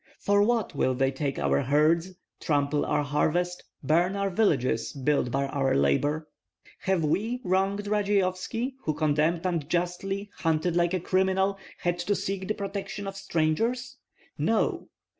For what will they take our herds, trample our harvests, burn our villages built by our labor? Have we wronged Radzeyovski, who, condemned unjustly, hunted like a criminal, had to seek the protection of strangers? No!